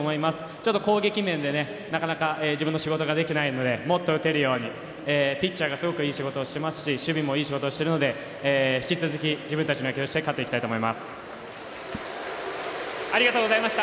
ちょっと攻撃面で、なかなか自分の仕事ができていないのでもっと打てるようにピッチャーがすごくいい仕事をしてますし守備もいい仕事をしてるので引き続き、自分たちの野球をしてありがとうございました。